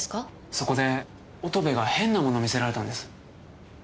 そこで乙部が変なもの見せられたんです。